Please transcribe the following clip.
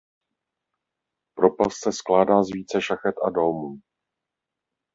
Propast se skládá z více šachet a dómů.